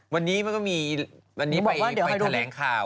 วันนี้มันก็มีวันนี้ไปแถลงข่าว